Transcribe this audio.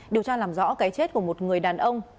điều tra làm rõ cái chết của một người đàn ông